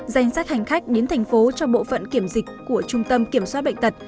danh sách hành khách đến thành phố cho bộ phận kiểm dịch của trung tâm kiểm soát bệnh tật